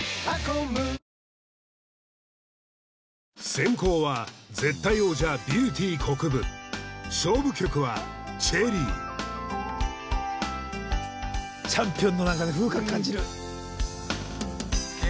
先攻は絶対王者ビューティーこくぶ勝負曲は「チェリー」チャンピオンの何かね風格感じるすっげ